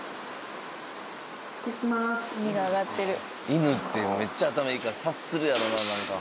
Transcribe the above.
犬ってめっちゃ頭いいから察するやろな何か。